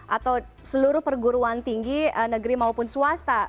atau seluruh perguruan tinggi negeri maupun swasta